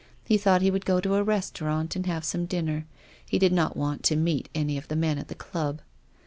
He thought he would go to a restaurant and have some dinner ; he did not want to meet any of the men at the club.